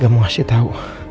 gak mau kasih tahu